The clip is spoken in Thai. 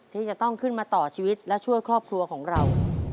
ที่จะต้องขึ้นมาต่อชีวิตและช่วยครอบครัวของเรา